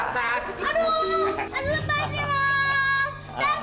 sama dulu pasti